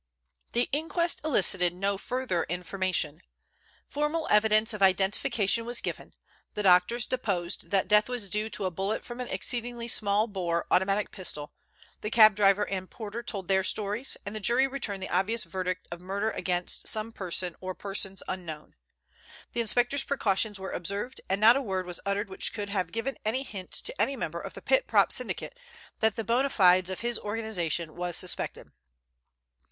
The inquest elicited no further information. Formal evidence of identification was given, the doctors deposed that death was due to a bullet from an exceedingly small bore automatic pistol, the cab driver and porter told their stories, and the jury returned the obvious verdict of murder against some person or persons unknown. The inspector's precautions were observed, and not a word was uttered which could have given a hint to any member of the Pit Prop Syndicate that the bona fides of his organization was suspected.